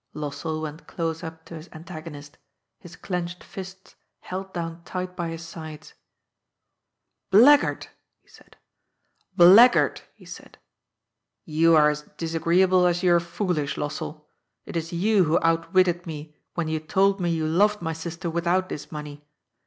Lossell went close up to his antagonist, his clenched fists held down tight by his sides. "Blackguard !" he said. " You are as disagreeable as you are foolish, Lossell. It is you who outwitted me when you told me you loved my sister without this money.